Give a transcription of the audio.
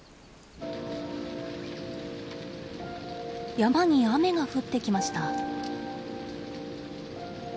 山に雨が降ってきました。